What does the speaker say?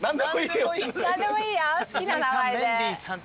なんでもいいよ好きな名前で。